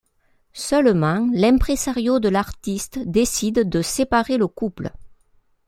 Seulement, l'impresario de l'artiste décide de séparer le couple.